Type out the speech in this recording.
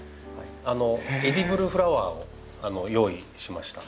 エディブルフラワーを用意しました。